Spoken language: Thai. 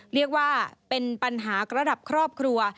เรียกว่าเป็นปัญหาระดับครอบครัว